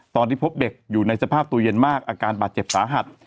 ตอนที่พบเด็กอยู่ในสภาพตัวเย็นมากอาการบาดเจ็บสาหัส